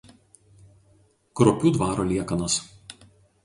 Kruopių dvaro liekanos.